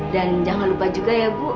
dan jangan lupa juga ya bu